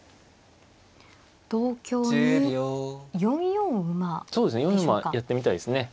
４四馬やってみたいですね。